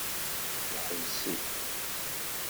Yeḥbes-it.